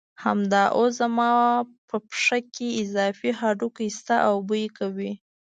همدا اوس زما په پښه کې اضافي هډوکي شته او بوی کوي.